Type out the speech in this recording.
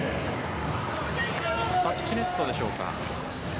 タッチネットでしょうか。